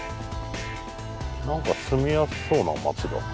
何か住みやすそうな町だ。